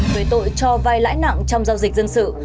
với tội cho vay lãi nặng trong giao dịch dân sự